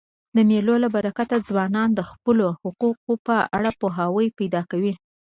د مېلو له برکته ځوانان د خپلو حقوقو په اړه پوهاوی پیدا کوي.